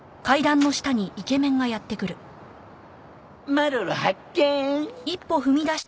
マロロ発見！